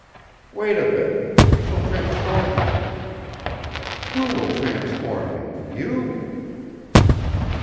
"Wait a bit; we shall transform you. "Who will transform me? You?"